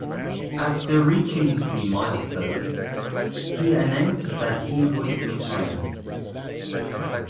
After reaching the milestone, he announced that he would retire.